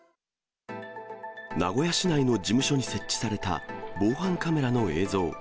名古屋市内の事務所に設置された防犯カメラの映像。